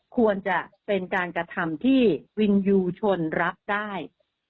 ควรจะเป็นการกระทำที่วินยูชนรับได้